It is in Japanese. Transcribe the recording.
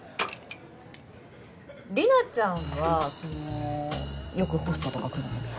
莉奈ちゃんはそのよくホストとか来るの？